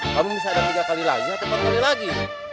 kamu bisa ada tiga kali lagi atau empat kali lagi